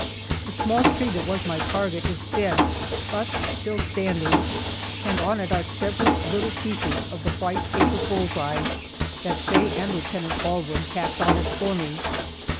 The small tree that was my target is dead but still standing, and on it are several little pieces of the white paper bull's eyes that Faye and Lieutenant Baldwin tacked on it for me.